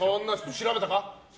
調べたか？